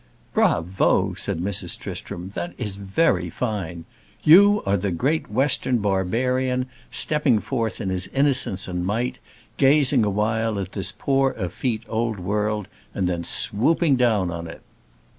"Bravo!" said Mrs. Tristram, "that is very fine. You are the great Western Barbarian, stepping forth in his innocence and might, gazing a while at this poor effete Old World and then swooping down on it."